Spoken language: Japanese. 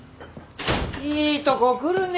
いいとこ来るね。